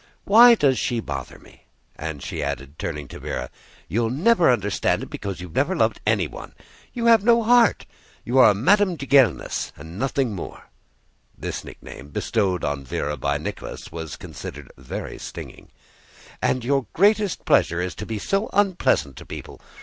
"Why does she bother me?" And she added, turning to Véra, "You'll never understand it, because you've never loved anyone. You have no heart! You are a Madame de Genlis and nothing more" (this nickname, bestowed on Véra by Nicholas, was considered very stinging), "and your greatest pleasure is to be unpleasant to people!